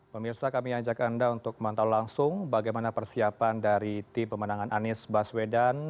pemirsa kami ajak anda untuk memantau langsung bagaimana persiapan dari tim pemenangan anies baswedan